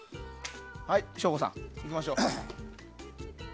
省吾さん、いきましょう。